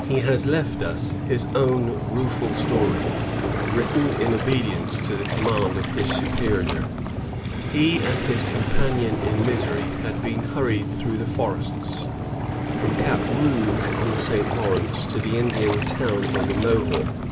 He has left us his own rueful story, written in obedience to the com mand of his superior. He and his companion in misery had been hurried through the forests, from Cap Rouge on the St. Lawrence to the Indian towns on the Mohawk.